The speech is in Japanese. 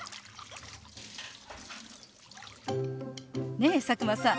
ねえ佐久間さん